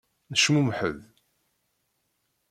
Necmumeḥ-d.